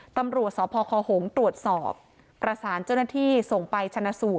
ตำรวจสพคหงษ์ตรวจสอบประสานเจ้าหน้าที่ส่งไปชนะสูตร